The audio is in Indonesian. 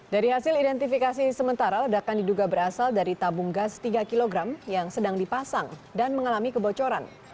dari hasil identifikasi sementara ledakan diduga berasal dari tabung gas tiga kg yang sedang dipasang dan mengalami kebocoran